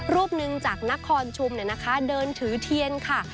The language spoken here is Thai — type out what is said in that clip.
รูปหนึ่งจากนครชุมเดินถือเทียนค่ะ